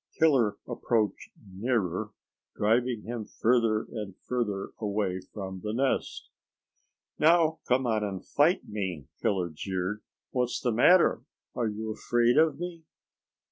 Killer approached nearer, driving him further and further away from the nest. "Now come on and fight me," Killer jeered. "What's the matter? Are you afraid of me?"